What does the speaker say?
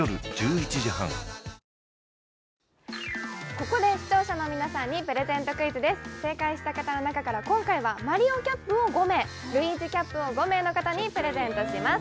ここで視聴者の皆さんにプレゼントクイズです正解した方の中から今回はマリオキャップを５名ルイージキャップを５名の方にプレゼントします